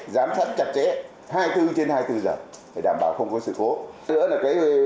giám sát chặt chẽ hai mươi bốn trên hai mươi bốn giờ để đảm bảo không có sự cố